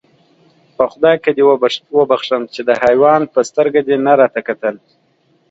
خدایکه دې وبښم، د حیوان په سترګه دې نه راته کتل.